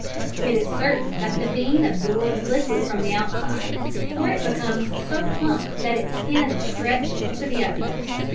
It is certain that the bean absorbs liquid from the outside, for it becomes so plump that its skin is stretched to the utmost.